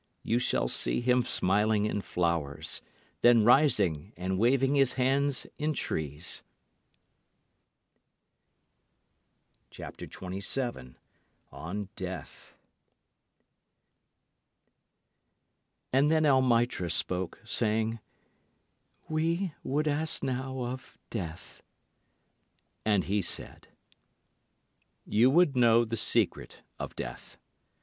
You shall see Him smiling in flowers, then rising and waving His hands in trees. Then Almitra spoke, saying, We would ask now of Death. And he said: You would know the secret of death.